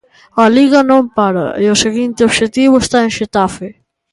A Liga non para e o seguinte obxectivo está en Xetafe.